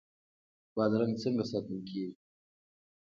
بادرنګ څنګه ساتل کیږي؟